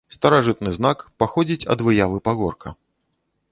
Старажытны знак паходзіць ад выявы пагорка.